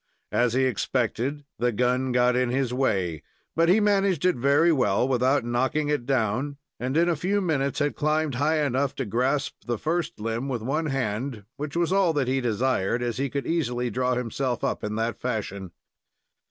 As he expected, the gun got in his way, but he managed it very well, without knocking it down, and in a few minutes had climbed high enough to grasp the first limb with one hand, which was all that he desired, as he could easily draw himself up in that fashion.